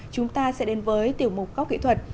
chúng ta sẽ đến với tiểu mục góc kỹ thuật